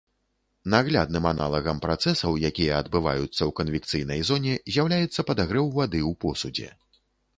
Наглядным аналагам працэсаў, якія адбываюцца ў канвекцыйнай зоне, з'яўляецца падагрэў вады ў посудзе.